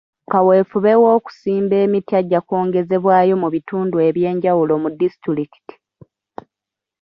Kaweefube w'okusimba emiti ajja kwongezebwayo mu bitundu eby'enjawulo mu disitulikiti.